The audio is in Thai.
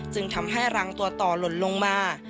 จึงทำให้รังตัวต่อหล่นลงมา